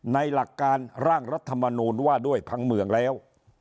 หลักการร่างรัฐมนูลว่าด้วยพังเมืองแล้ว